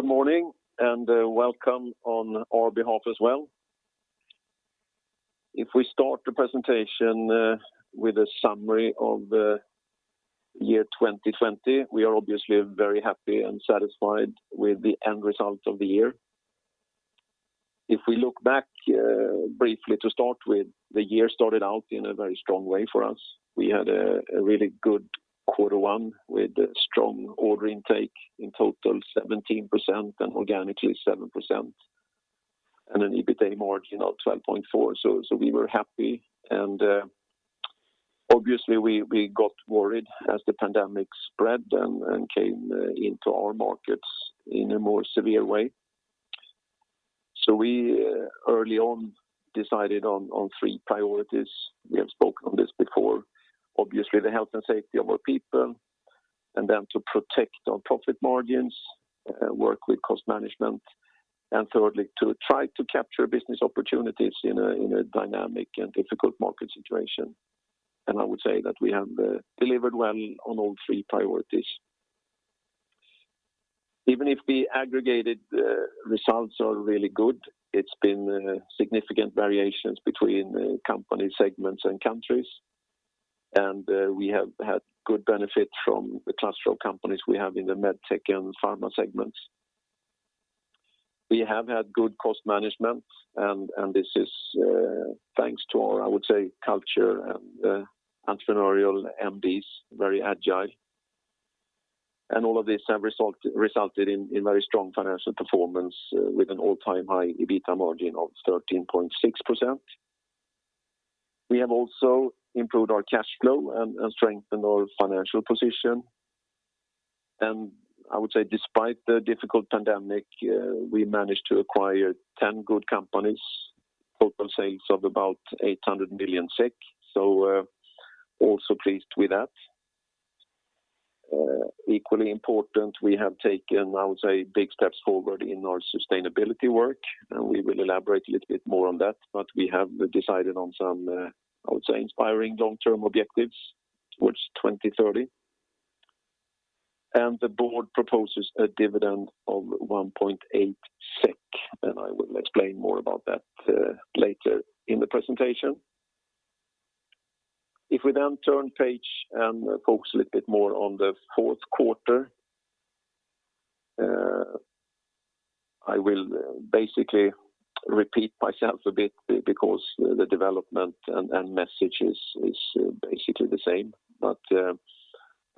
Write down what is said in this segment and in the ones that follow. Good morning, welcome on our behalf as well. If we start the presentation with a summary of the year 2020, we are obviously very happy and satisfied with the end result of the year. If we look back briefly to start with, the year started out in a very strong way for us. We had a really good quarter one with strong order intake, in total 17% and organically 7%, and an EBITDA margin of 12.4%, so we were happy. Obviously we got worried as the pandemic spread and came into our markets in a more severe way. We early on decided on three priorities. We have spoken on this before. Obviously, the health and safety of our people, and then to protect our profit margins, work with cost management, and thirdly, to try to capture business opportunities in a dynamic and difficult market situation. I would say that we have delivered well on all three priorities. Even if the aggregated results are really good, it's been significant variations between company segments and countries, and we have had good benefit from the cluster of companies we have in the MedTech and Pharma segments. We have had good cost management, this is thanks to our, I would say, culture and entrepreneurial MDs, very agile. All of this have resulted in very strong financial performance with an all-time high EBITDA margin of 13.6%. We have also improved our cash flow and strengthened our financial position. I would say despite the difficult pandemic, we managed to acquire 10 good companies, total sales of about 800 million SEK, so also pleased with that. Equally important, we have taken, I would say, big steps forward in our sustainability work, and we will elaborate a little bit more on that, but we have decided on some, I would say, inspiring long-term objectives towards 2030. The board proposes a dividend of 1.8 SEK, and I will explain more about that later in the presentation. If we then turn page and focus a little bit more on the fourth quarter, I will basically repeat myself a bit because the development and message is basically the same.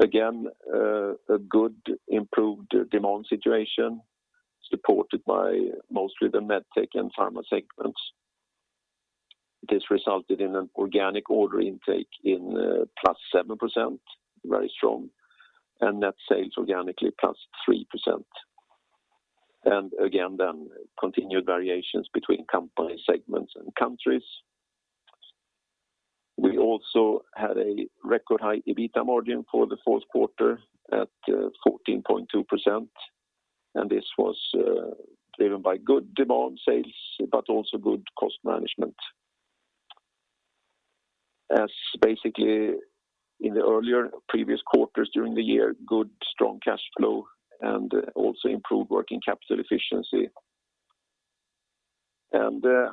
Again, a good improved demand situation supported by mostly the MedTech and Pharma segments. This resulted in an organic order intake in +7%, very strong, and net sales organically +3%. Again then, continued variations between company segments and countries. We also had a record high EBITDA margin for the fourth quarter at 14.2%. This was driven by good demand sales, but also good cost management, as basically in the earlier previous quarters during the year, good strong cash flow, and also improved working capital efficiency.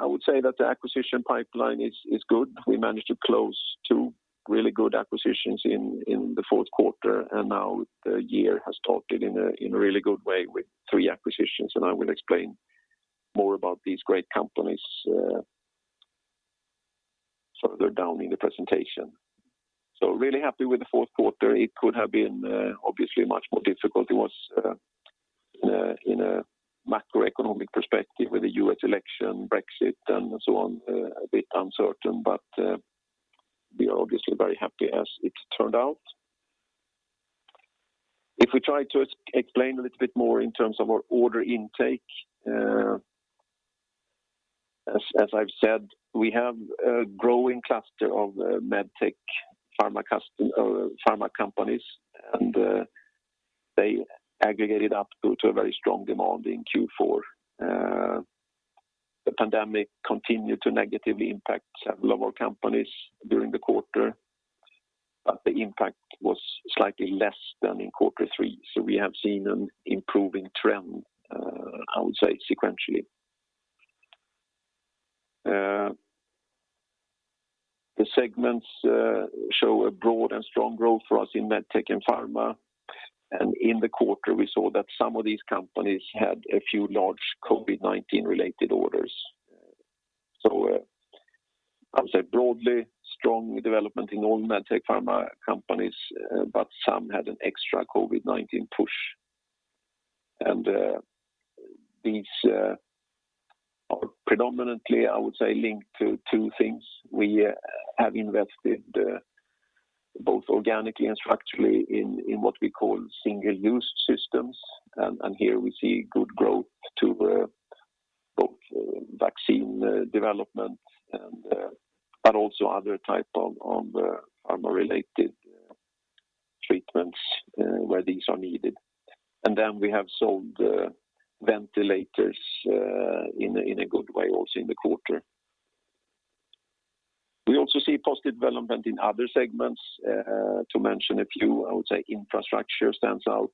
I would say that the acquisition pipeline is good. We managed to close two really good acquisitions in the fourth quarter. Now the year has started in a really good way with three acquisitions. I will explain more about these great companies further down in the presentation. Really happy with the fourth quarter. It could have been obviously much more difficult. It was in a macroeconomic perspective with the U.S. election, Brexit, and so on, a bit uncertain. We are obviously very happy as it turned out. If we try to explain a little bit more in terms of our order intake, as I've said, we have a growing cluster of MedTech Pharma companies, and they aggregated up due to a very strong demand in Q4. The pandemic continued to negatively impact several of our companies during the quarter, but the impact was slightly less than in Q3. We have seen an improving trend, I would say, sequentially. The segments show a broad and strong growth for us in MedTech and Pharma. In the quarter, we saw that some of these companies had a few large COVID-19 related orders. I would say broadly strong development in all MedTech Pharma companies, but some had an extra COVID-19 push. These are predominantly, I would say, linked to two things. We have invested both organically and structurally in what we call single-use systems. Here we see good growth to both vaccine development and also other type of pharma-related treatments where these are needed. Then we have sold ventilators in a good way also in the quarter. We also see positive development in other segments. To mention a few, I would say infrastructure stands out,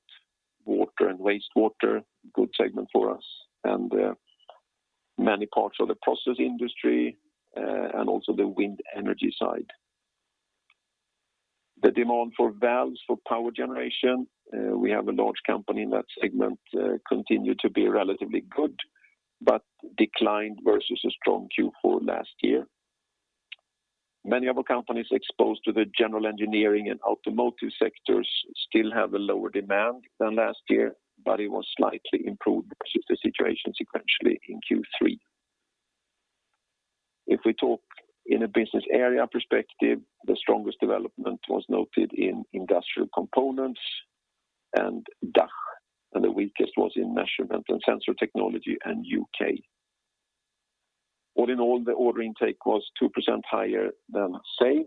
water and wastewater, good segment for us, and many parts of the process industry, and also the wind energy side. The demand for valves for power generation, we have a large company in that segment, continued to be relatively good, but declined versus a strong Q4 last year. Many other companies exposed to the general engineering and automotive sectors still have a lower demand than last year, but it was slightly improved versus the situation sequentially in Q3. If we talk in a business area perspective, the strongest development was noted in Industrial Components and DACH, and the weakest was in Measurement & Sensor Technology and U.K. All in all, the order intake was 2% higher than sales.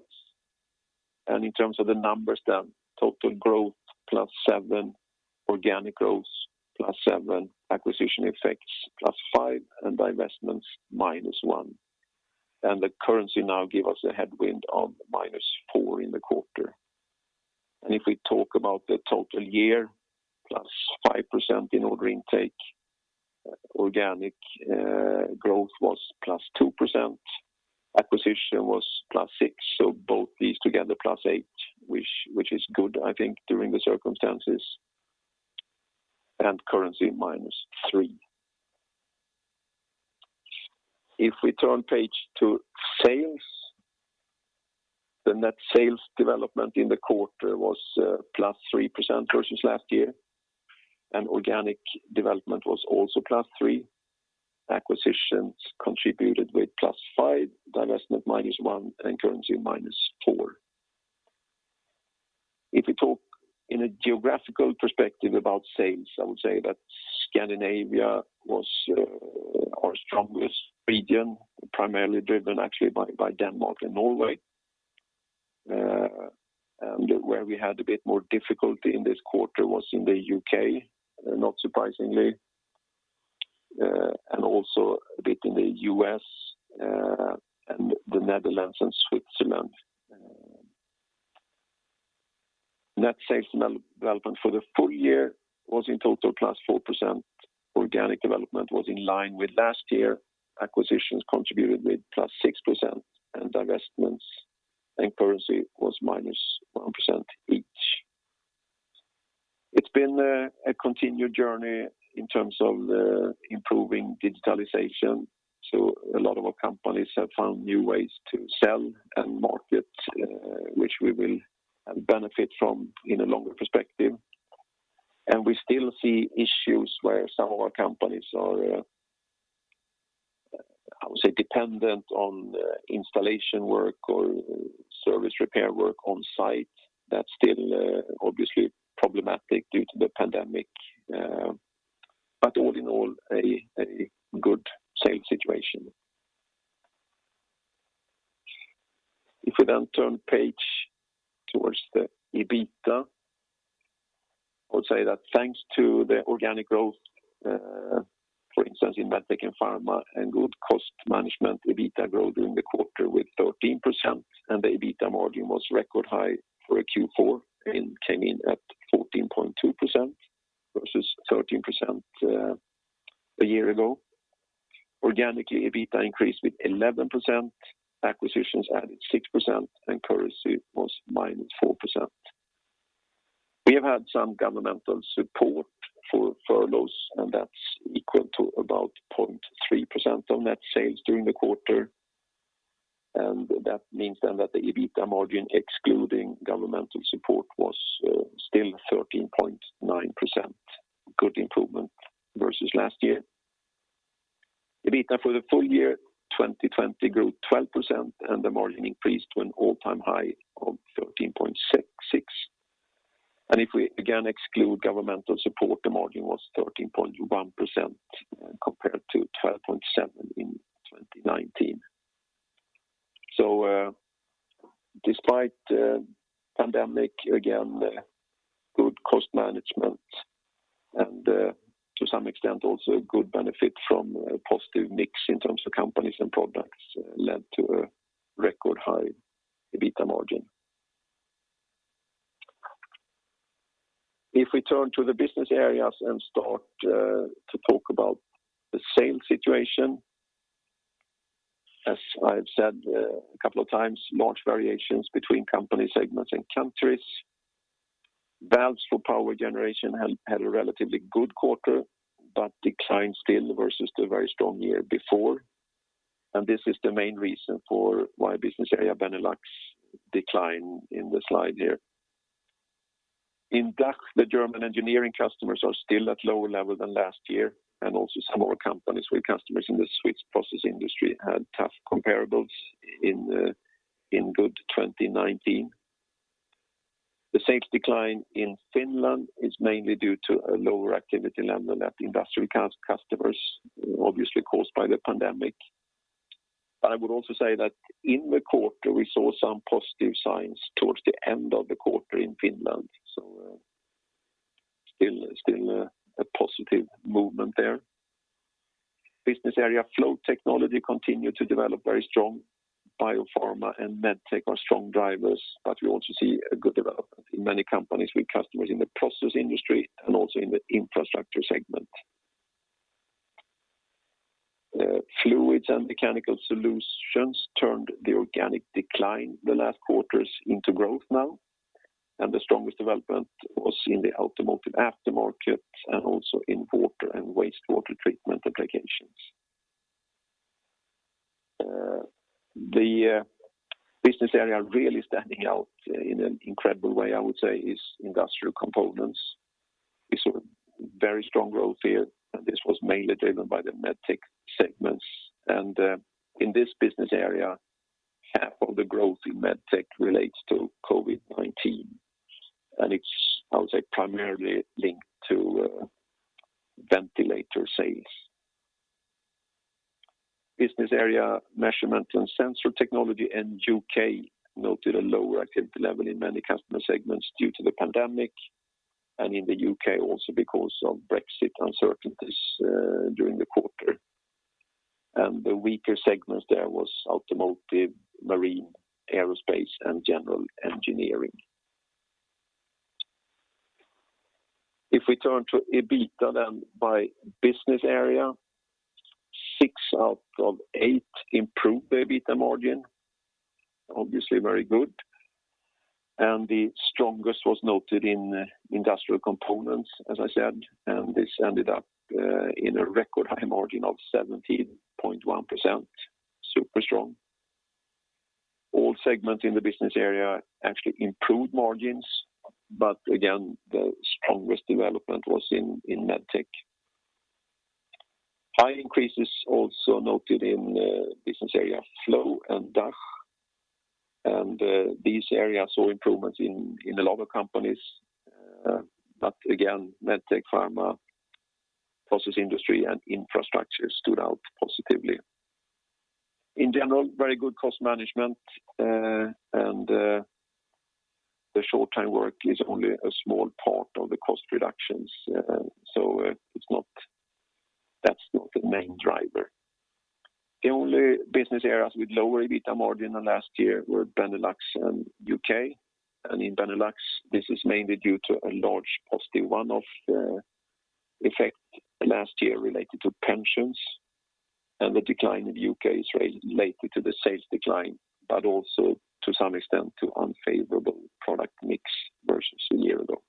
In terms of the numbers then, total growth +7%, organic growth +7%, acquisition effects +5%, and divestments -1%. The currency now give us a headwind of -4% in the quarter. If we talk about the total year, +5% in order intake. Organic growth was +2%. Acquisition was +6%, so both these together +8%, which is good, I think, during the circumstances, and currency -3%. If we turn page to sales, the net sales development in the quarter was +3% versus last year, and organic development was also +3%. Acquisitions contributed with +5%, divestment -1%, and currency -4%. If we talk in a geographical perspective about sales, I would say that Scandinavia was our strongest region, primarily driven actually by Denmark and Norway. Where we had a bit more difficulty in this quarter was in the U.K., not surprisingly, and also a bit in the U.S., and the Netherlands, and Switzerland. Net sales development for the full year was in total +4%. Organic development was in line with last year. Acquisitions contributed with +6%, and divestments and currency was -1% each. It's been a continued journey in terms of improving digitalization. A lot of our companies have found new ways to sell and market, which we will benefit from in a longer perspective. We still see issues where some of our companies are, I would say, dependent on installation work or service repair work on site. That's still obviously problematic due to the pandemic. All in all, a good sales situation. If we then turn page towards the EBITDA, I would say that thanks to the organic growth, for instance, in MedTech and Pharma, and good cost management, EBITDA growth during the quarter with 13%, and the EBITDA margin was record high for a Q4 and came in at 14.2% versus 13% a year ago. Organically, EBITDA increased with 11%, acquisitions added 6%, and currency was -4%. We have had some governmental support for furloughs, and that's equal to about 0.3% of net sales during the quarter. That means then that the EBITDA margin, excluding governmental support, was still 13.9%, good improvement versus last year. EBITDA for the full year 2020 grew 12%, the margin increased to an all-time high of 13.6%. If we again exclude governmental support, the margin was 13.1% compared to 12.7% in 2019. Despite pandemic, again, good cost management and to some extent also a good benefit from a positive mix in terms of companies and products led to a record high EBITDA margin. If we turn to the business areas and start to talk about the sales situation, as I've said a couple of times, large variations between company segments and countries. Valves for power generation had a relatively good quarter, but declined still versus the very strong year before. This is the main reason for why business area Benelux decline in the slide here. In DACH, the German engineering customers are still at lower level than last year, and also some of our companies with customers in the Swiss process industry had tough comparables in good 2019. The sales decline in Finland is mainly due to a lower activity level at the industry customers, obviously caused by the pandemic. I would also say that in the quarter, we saw some positive signs towards the end of the quarter in Finland. Still a positive movement there. Business area Flow Technology continued to develop very strong. Biopharma and MedTech are strong drivers, but we also see a good development in many companies with customers in the process industry and also in the infrastructure segment. Fluids & Mechanical Solutions turned the organic decline the last quarters into growth now, and the strongest development was in the automotive aftermarket and also in water and wastewater treatment applications. The business area really standing out in an incredible way, I would say, is Industrial Components. We saw very strong growth here. This was mainly driven by the MedTech segments. In this business area, half of the growth in MedTech relates to COVID-19. It's, I would say, primarily linked to ventilator sales. Business area Measurement and Sensor Technology in U.K. noted a lower activity level in many customer segments due to the pandemic. In the U.K. also because of Brexit uncertainties during the quarter. The weaker segments there was automotive, marine, aerospace, and general engineering. If we turn to EBITDA by business area, six out of eight improved the EBITDA margin, obviously very good. The strongest was noted in Industrial Components, as I said. This ended up in a record high margin of 17.1%, super strong. All segments in the business area actually improved margins. Again, the strongest development was in MedTech. High increases also noted in business area Flow and DACH. These areas saw improvements in a lot of companies. Again, MedTech, pharma, process industry, and infrastructure stood out positively. In general, very good cost management. The short-time work is only a small part of the cost reductions. That's not the main driver. The only business areas with lower EBITDA margin than last year were Benelux and U.K. In Benelux, this is mainly due to a large posting, one-off effect last year related to pensions. The decline in U.K. is related to the sales decline, but also to some extent to unfavorable product mix versus a year ago.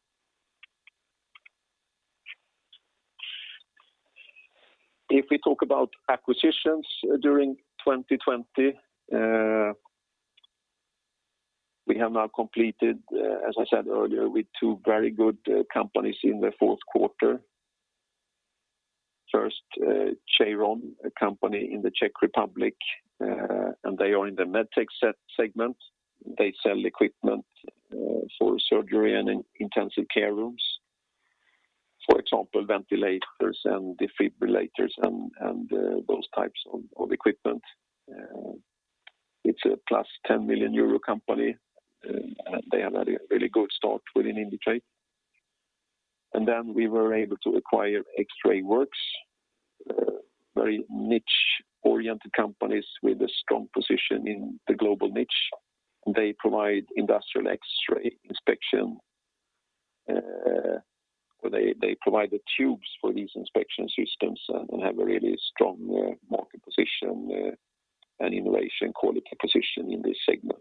If we talk about acquisitions during 2020, we have now completed, as I said earlier, with two very good companies in the fourth quarter. First, Cheirón, a company in the Czech Republic, they are in the MedTech segment. They sell equipment for surgery and intensive care rooms. For example, ventilators and defibrillators and those types of equipment. It's a +10 million euro company, they have had a really good start within Indutrade. Then we were able to acquire X-RAY WorX, very niche-oriented companies with a strong position in the global niche. They provide industrial X-ray inspection, where they provide the tubes for these inspection systems and have a really strong market position and innovation quality position in this segment.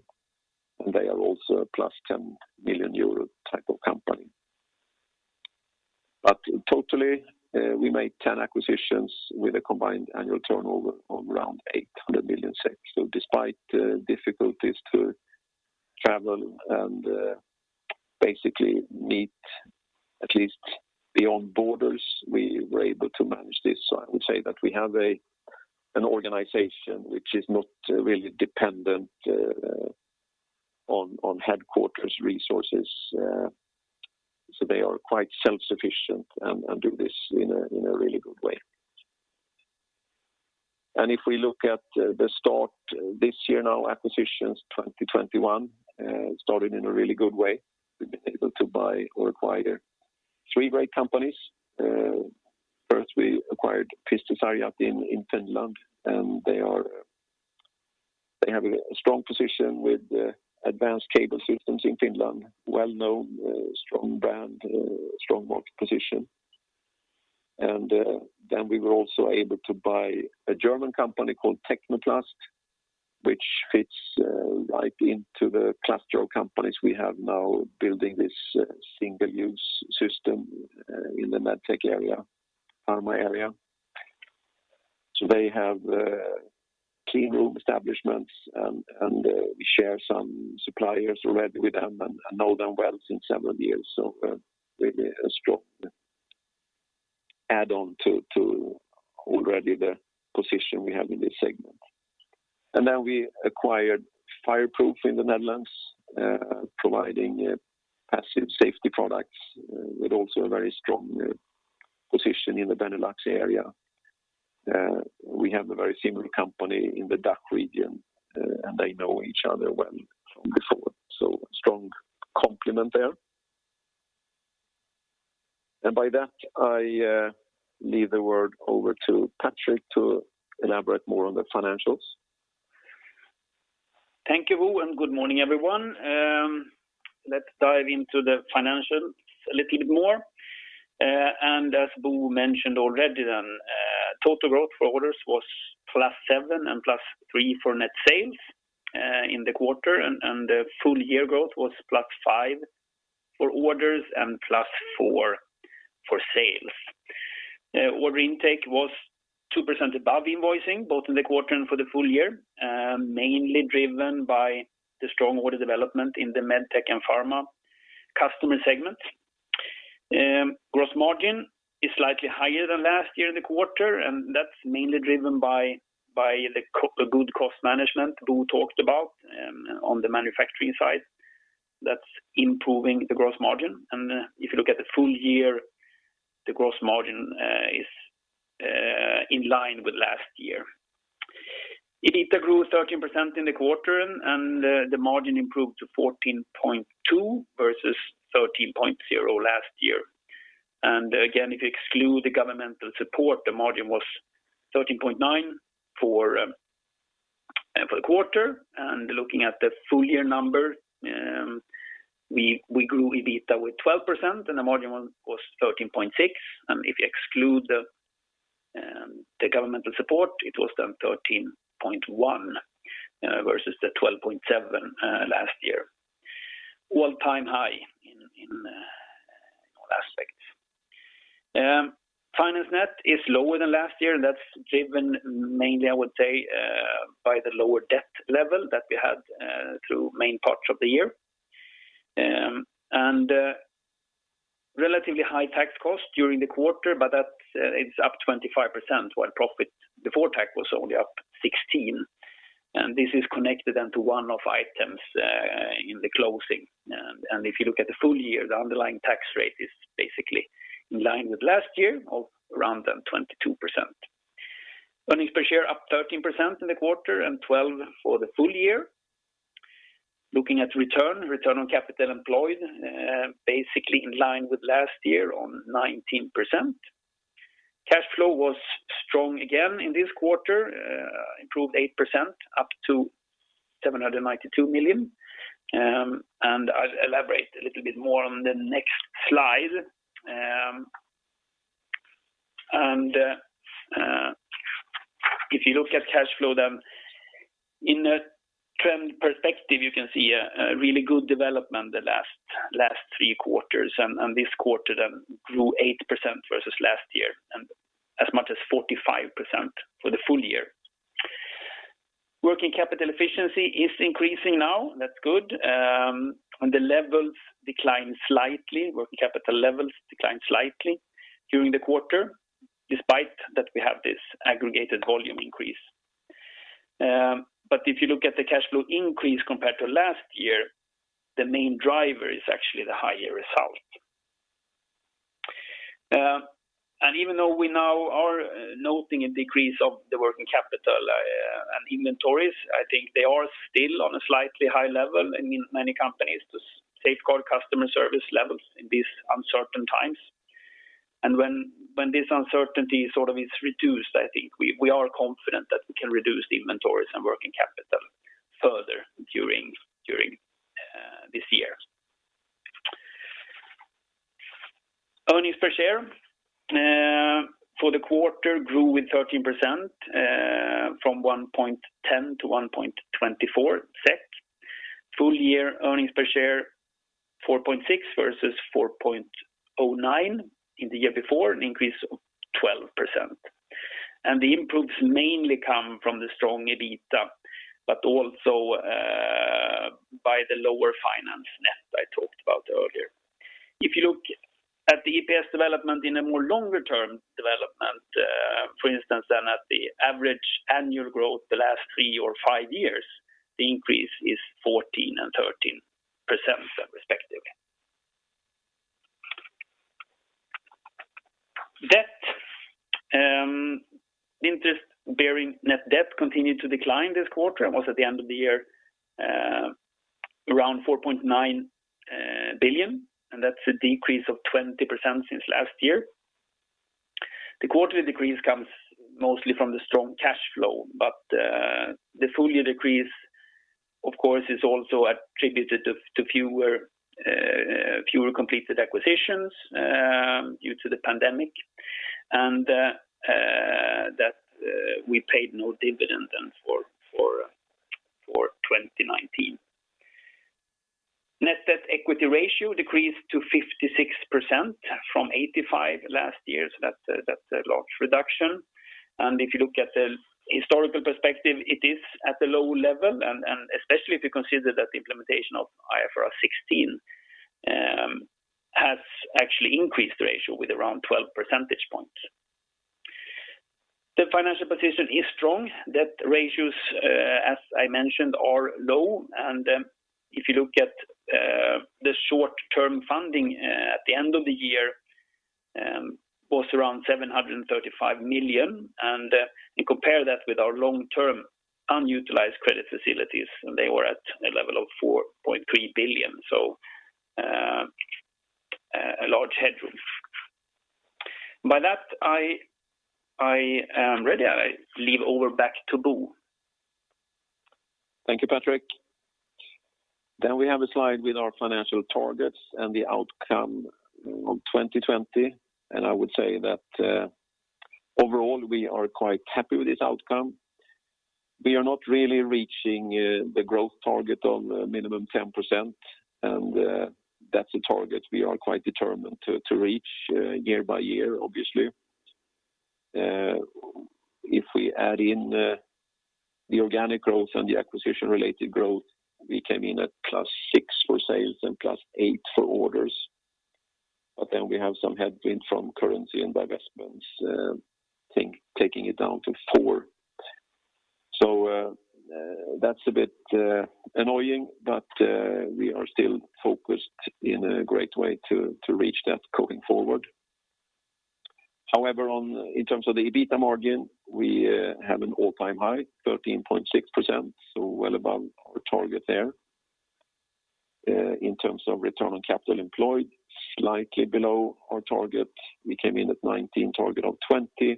They are also a +10 million euro type of company. In total, we made 10 acquisitions with a combined annual turnover of around 800 million. Despite the difficulties to travel and basically meet at least beyond borders, we were able to manage this. I would say that we have an organization which is not really dependent on headquarters resources, so they are quite self-sufficient and do this in a really good way. If we look at the start this year now, acquisitions 2021 started in a really good way. We've been able to buy or acquire three great companies. First, we acquired Pistesarjat in Finland, and they have a strong position with advanced cable systems in Finland, well-known, strong brand, strong market position. Then we were also able to buy a German company called Tecno Plast, which fits right into the cluster of companies we have now building this single-use system in the MedTech area, pharma area. They have clean room establishments, and we share some suppliers already with them and know them well since several years. Really a strong add-on to already the position we have in this segment. Then we acquired Fire Proof in the Netherlands, providing passive safety products with also a very strong position in the Benelux area. We have a very similar company in the DACH region, and they know each other well from before. Strong complement there. By that, I leave the word over to Patrik to elaborate more on the financials. Thank you, Bo, and good morning, everyone. Let's dive into the financials a little bit more. As Bo mentioned already, total growth for orders was +7% and +3% for net sales in the quarter, and the full year growth was +5% for orders and +4% for sales. Order intake was 2% above invoicing, both in the quarter and for the full year, mainly driven by the strong order development in the MedTech and pharma customer segments. Gross margin is slightly higher than last year in the quarter, and that's mainly driven by the good cost management Bo talked about on the manufacturing side. That's improving the gross margin. If you look at the full year, the gross margin is in line with last year. EBITA grew 13% in the quarter, and the margin improved to 14.2% versus 13.0% last year. Again, if you exclude the governmental support, the margin was 13.9% for the quarter. Looking at the full year number, we grew EBITA with 12%, and the margin was 13.6%. If you exclude the governmental support, it was then 13.1% versus the 12.7% last year. All-time high in all aspects. Finance net is lower than last year. That's driven mainly, I would say, by the lower debt level that we had through main parts of the year. Relatively high tax cost during the quarter, but that is up 25%, while profit before tax was only up 16%. This is connected then to one-off items in the closing. If you look at the full year, the underlying tax rate is basically in line with last year of around then 22%. Earnings per share up 13% in the quarter and 12% for the full year. Looking at return on capital employed, basically in line with last year on 19%. Cash flow was strong again in this quarter, improved 8% up to 792 million. I'll elaborate a little bit more on the next slide. If you look at cash flow then in a trend perspective, you can see a really good development the last three quarters. This quarter then grew 8% versus last year and as much as 45% for the full year. Working capital efficiency is increasing now. That's good. The levels decline slightly during the quarter, despite that we have this aggregated volume increase. If you look at the cash flow increase compared to last year, the main driver is actually the higher result. Even though we now are noting a decrease of the working capital and inventories, I think they are still on a slightly high level in many companies to safeguard customer service levels in these uncertain times. When this uncertainty sort of is reduced, I think we are confident that we can reduce the inventories and working capital further during this year. Earnings per share for the quarter grew with 13%, from 1.10 to 1.24 SEK. Full year earnings per share, 4.6 versus 4.09 in the year before, an increase of 12%. The improvements mainly come from the strong EBITA, but also by the lower finance net I talked about earlier. If you look at the EPS development in a more longer term development, for instance, then at the average annual growth the last three or five years, the increase is 14% and 13% respectively. Debt. Interest bearing net debt continued to decline this quarter and was at the end of the year around 4.9 billion, and that's a decrease of 20% since last year. The quarterly decrease comes mostly from the strong cash flow, but the full year decrease, of course, is also attributed to fewer completed acquisitions due to the pandemic, and that we paid no dividend then for 2019. Net debt equity ratio decreased to 56% from 85% last year, so that's a large reduction. If you look at the historical perspective, it is at a low level, and especially if you consider that the implementation of IFRS 16 has actually increased the ratio with around 12 percentage points. The financial position is strong. Debt ratios, as I mentioned, are low. If you look at the short-term funding at the end of the year was around 735 million, and you compare that with our long-term unutilized credit facilities, and they were at a level of 4.3 billion, so a large headroom. By that, I am ready. I leave over back to Bo. Thank you, Patrik. We have a slide with our financial targets and the outcome on 2020. I would say that overall, we are quite happy with this outcome. We are not really reaching the growth target of minimum 10%, that's a target we are quite determined to reach year by year, obviously. If we add in the organic growth and the acquisition-related growth, we came in at +6% for sales and +8% for orders. We have some headwind from currency and divestments, I think taking it down to four. That's a bit annoying, we are still focused in a great way to reach that going forward. However, in terms of the EBITDA margin, we have an all-time high, 13.6%, well above our target there. In terms of return on capital employed, slightly below our target. We came in at 19%, target of 20%.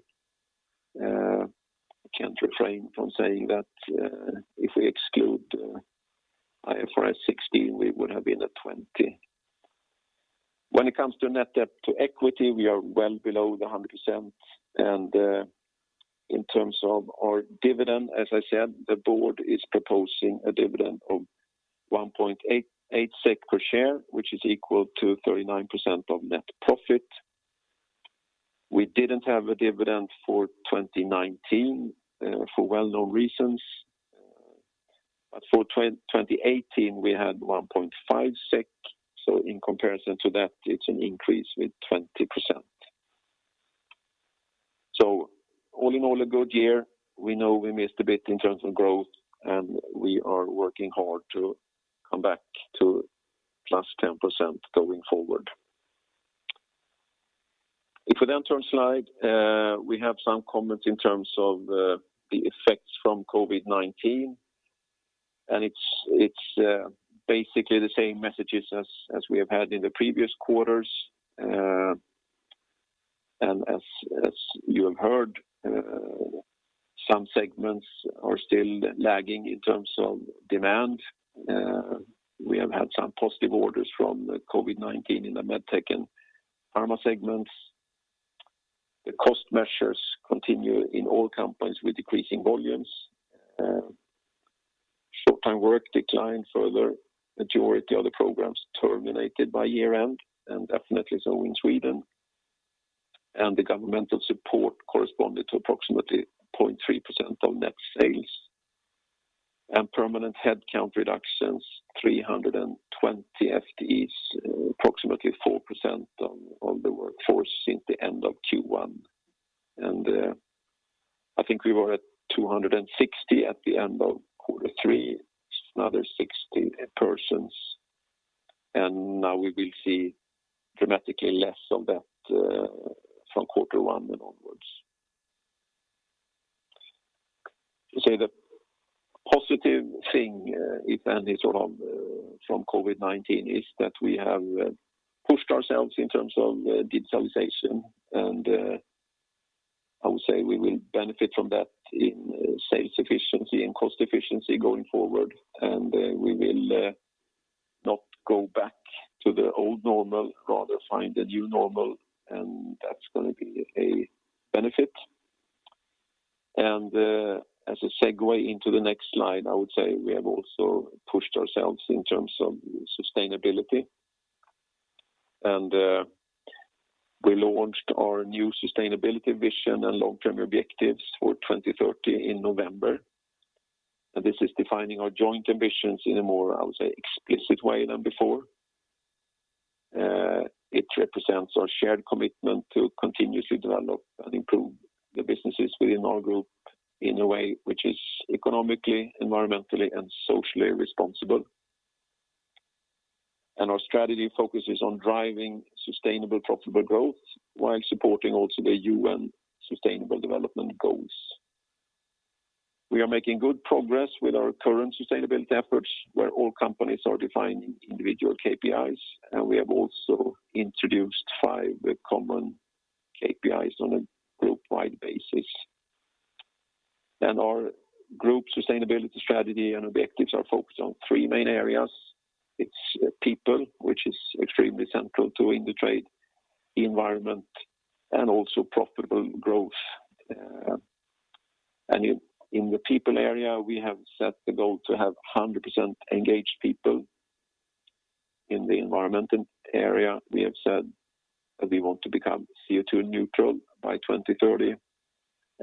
I can't refrain from saying that if we exclude IFRS 16, we would have been at 20%. When it comes to net debt to equity, we are well below the 100%. In terms of our dividend, as I said, the board is proposing a dividend of 1.8 SEK per share, which is equal to 39% of net profit. We didn't have a dividend for 2019 for well-known reasons. For 2018, we had 1.5 SEK. In comparison to that, it's an increase with 20%. All in all, a good year. We know we missed a bit in terms of growth, and we are working hard to come back to +10% going forward. If we turn slide, we have some comments in terms of the effects from COVID-19, it's basically the same messages as we have had in the previous quarters. As you have heard, some segments are still lagging in terms of demand. We have had some positive orders from COVID-19 in the MedTech and Pharma segments. The cost measures continue in all companies with decreasing volumes. Short time work declined further, majority of the programs terminated by year-end, definitely so in Sweden. The governmental support corresponded to approximately 0.3% of net sales. Permanent headcount reductions, 320 FTEs, approximately 4% of the workforce since the end of Q1. I think we were at 260 at the end of quarter three, another 60 persons. Now we will see dramatically less of that from quarter one and onwards. To say the positive thing, if any, from COVID-19 is that we have pushed ourselves in terms of digitalization, and I would say we will benefit from that in sales efficiency and cost efficiency going forward, and we will not go back to the old normal, rather find a new normal, and that's going to be a benefit. As a segue into the next slide, I would say we have also pushed ourselves in terms of sustainability. We launched our new sustainability vision and long-term objectives for 2030 in November. This is defining our joint ambitions in a more, I would say, explicit way than before. It represents our shared commitment to continuously develop and improve the businesses within our group in a way which is economically, environmentally, and socially responsible. Our strategy focuses on driving sustainable profitable growth while supporting also the UN Sustainable Development Goals. We are making good progress with our current sustainability efforts, where all companies are defining individual KPIs. We have also introduced five common KPIs on a group-wide basis. Our group sustainability strategy and objectives are focused on three main areas. It's people, which is extremely central to Indutrade, environment, and also profitable growth. In the people area, we have set the goal to have 100% engaged people. In the environment area, we have said that we want to become CO2 neutral by 2030.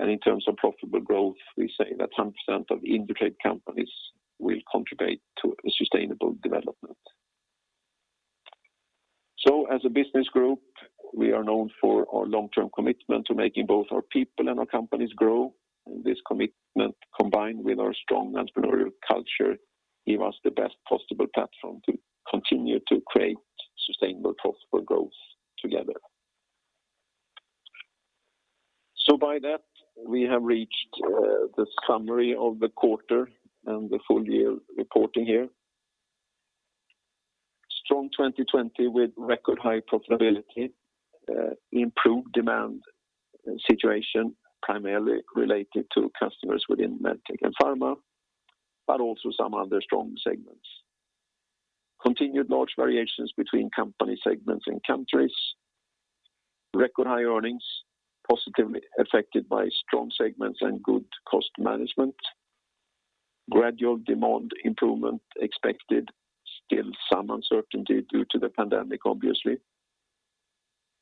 In terms of profitable growth, we say that 100% of Indutrade companies will contribute to a sustainable development. As a business group, we are known for our long-term commitment to making both our people and our companies grow. This commitment, combined with our strong entrepreneurial culture, give us the best possible platform to continue to create sustainable, profitable growth together. By that, we have reached the summary of the quarter and the full-year reporting here. Strong 2020 with record high profitability, improved demand situation primarily related to customers within MedTech and pharma, but also some other strong segments. Continued large variations between company segments and countries. Record high earnings positively affected by strong segments and good cost management. Gradual demand improvement expected. Still some uncertainty due to the pandemic, obviously.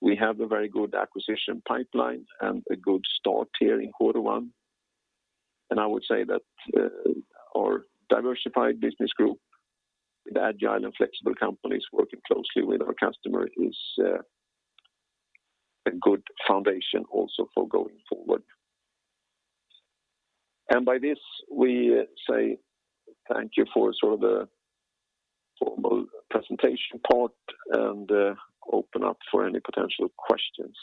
We have a very good acquisition pipeline and a good start here in quarter one. I would say that our diversified business group with agile and flexible companies working closely with our customer is a good foundation also for going forward. By this, we say thank you for the formal presentation part and open up for any potential questions.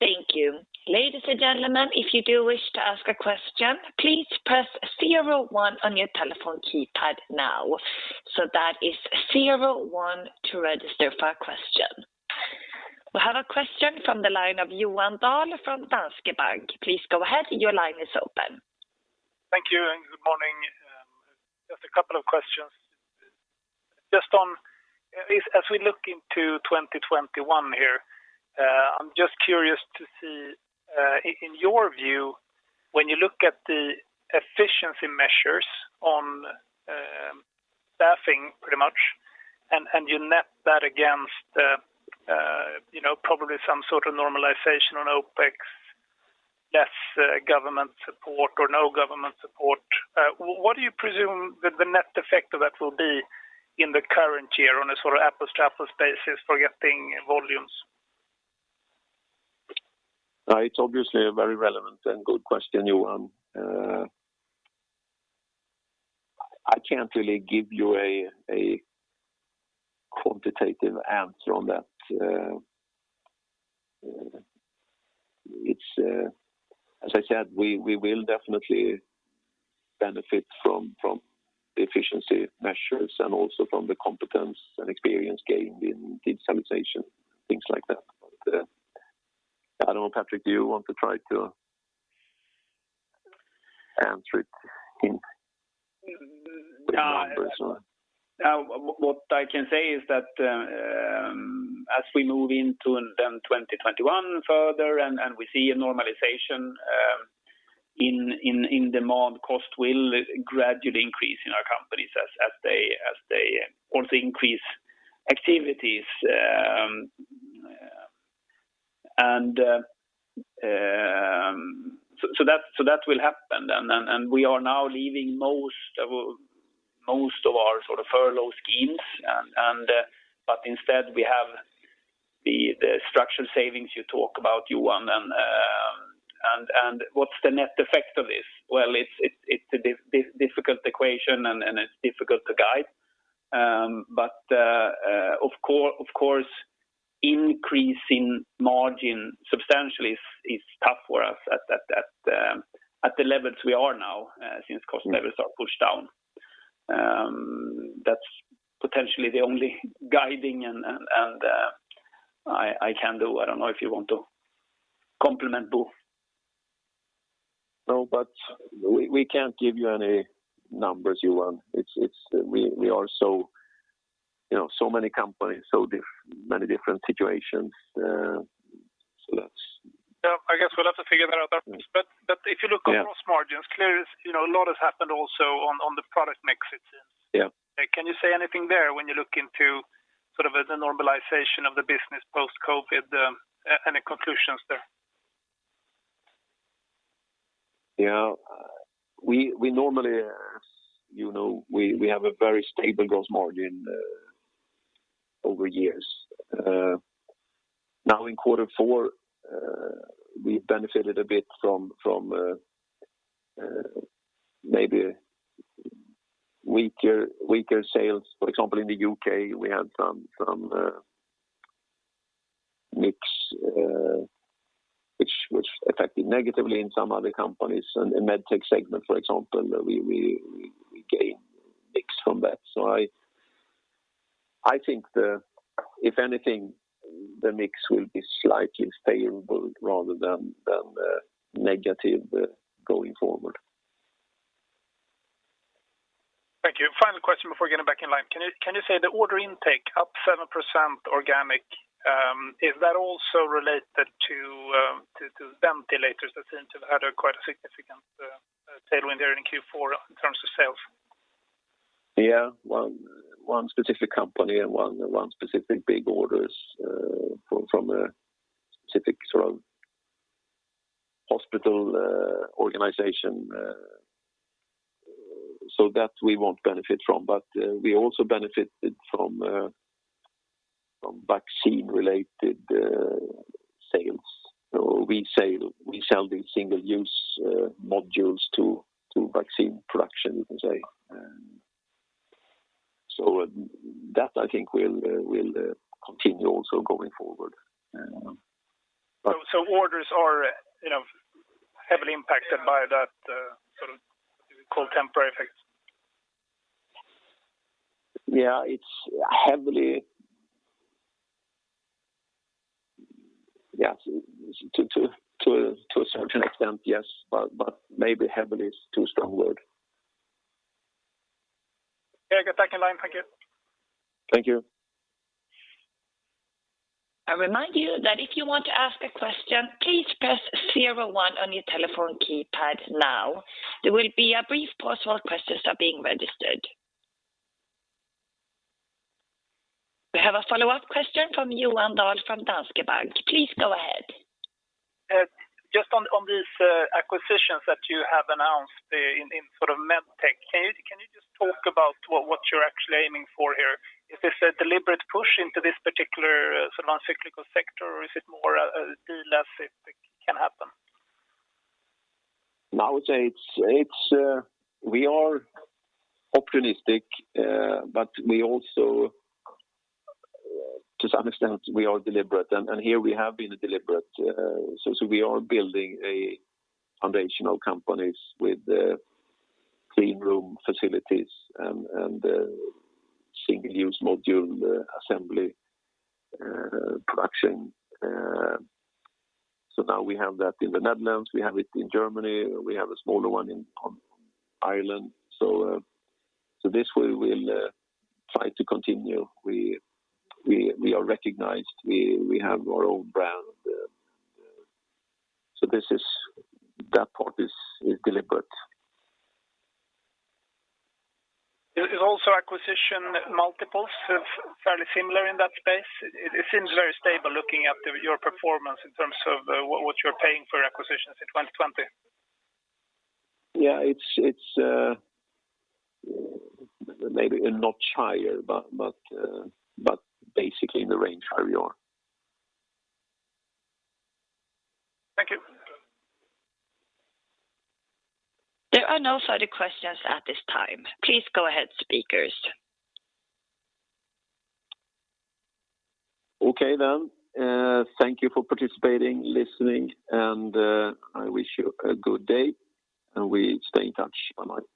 Thank you. Ladies and gentlemen, if you do wish to ask a question, please press zero, one on your telephone keypad now. That is zero, one to register for a question. We have a question from the line of Johan Dahl from Danske Bank. Please go ahead. Your line is open. Thank you, and good morning. Just a couple of questions. As we look into 2021 here, I'm just curious to see, in your view, when you look at the efficiency measures on staffing pretty much, and you net that against probably some sort of normalization on OPEX, less government support or no government support, what do you presume the net effect of that will be in the current year on a sort of apples-to-apples basis, forgetting volumes? It's obviously a very relevant and good question, Johan. I can't really give you a quantitative answer on that. As I said, we will definitely benefit from efficiency measures and also from the competence and experience gained in digitalization, things like that. I don't know, Patrik, do you want to try to answer it in numbers? What I can say is that as we move into 2021 further and we see a normalization in demand, cost will gradually increase in our companies as they also increase activities. That will happen. We are now leaving most of our sort of furlough schemes. Instead, we have the structured savings you talk about, Johan. What's the net effect of this? Well, it's a difficult equation, and it's difficult to guide. Of course, increase in margin substantially is tough for us at the levels we are now since cost levels are pushed down. That's potentially the only guiding I can do. I don't know if you want to complement, Bo. No, we can't give you any numbers, Johan. We are so many companies, so many different situations. I guess we'll have to figure that out. If you look at gross margins, clearly a lot has happened also on the product mix. Yes. Can you say anything there when you look into sort of the normalization of the business post-COVID? Any conclusions there? We normally have a very stable gross margin over years. Now in quarter four, we benefited a bit from maybe weaker sales. For example, in the U.K., we had some mix which affected negatively in some other companies. In MedTech segment, for example, we gained mix from that. I think if anything, the mix will be slightly favorable rather than negative going forward. Thank you. Final question before getting back in line. Can you say the order intake up 7% organic, is that also related to ventilators that seem to have had quite a significant tailwind there in Q4 in terms of sales? Yes. One specific company and one specific big order from a specific sort of hospital organization. That we won't benefit from, but we also benefited from vaccine-related sales. We sell these single-use modules to vaccine production, you can say. That I think will continue also going forward. Orders are heavily impacted by that contemporary effect? Yes, to a certain extent, yes, but maybe heavily is too strong word. Okay, back in line. Thank you. Thank you. I remind you that if you want to ask a question, please press zero, one on your telephone keypad now. There will be a brief pause while questions are being registered. We have a follow-up question from Johan Dahl from Danske Bank. Please go ahead. Just on these acquisitions that you have announced in MedTech, can you just talk about what you're actually aiming for here? Is this a deliberate push into this particular non-cyclical sector, or is it more a deal as it can happen? I would say we are opportunistic, but we also, to some extent, we are deliberate, and here we have been deliberate. We are building foundational companies with clean-room facilities and single-use module assembly production. Now we have that in the Netherlands, we have it in Germany, we have a smaller one in Ireland. This we will try to continue. We are recognized. We have our own brand. That part is deliberate. Is also acquisition multiples fairly similar in that space? It seems very stable looking at your performance in terms of what you're paying for acquisitions in 2020. Yes, it's maybe a notch higher but basically in the range where we are. Thank you. There are no further questions at this time. Please go ahead, speakers. Okay. Thank you for participating, listening, and I wish you a good day, and we stay in touch. Bye-bye.